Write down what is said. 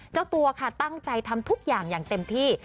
เจ้าตัวค่ะตั้งใจทำทุกอย่างอย่างเต็มที่